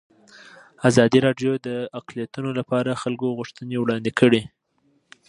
ازادي راډیو د اقلیتونه لپاره د خلکو غوښتنې وړاندې کړي.